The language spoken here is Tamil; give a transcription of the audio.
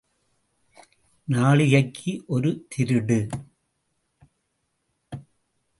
நாழிகைக்கு ஒரு திருடு!